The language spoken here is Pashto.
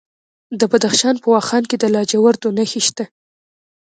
د بدخشان په واخان کې د لاجوردو نښې شته.